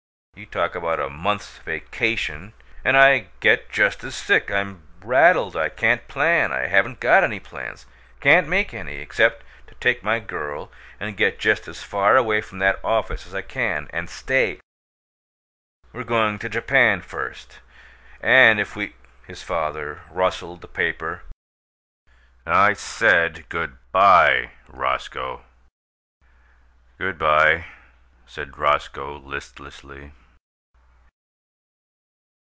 You talk about a 'month's vacation' and I get just as sick. I'm rattled I can't plan I haven't got any plans can't make any, except to take my girl and get just as far away from that office as I can and stay. We're going to Japan first, and if we " His father rustled the paper. "I said good by, Roscoe." "Good by," said Roscoe, listlessly.